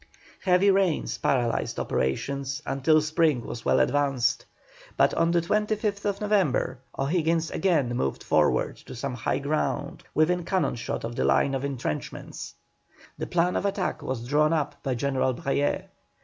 Heavy rains paralysed operations until spring was well advanced; but on the 25th November, O'Higgins again moved forward to some high ground within cannon shot of the line of entrenchments. The plan of attack was drawn up by General Brayer.